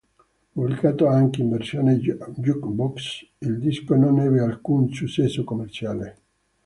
Pubblicato anche in versione juke-box, il disco non ebbe alcun successo commerciale.